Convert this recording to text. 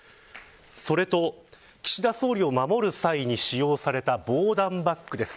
それと、岸田総理を守る際に使用された防弾バッグです。